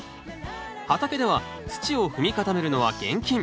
畑では土を踏み固めるのは厳禁。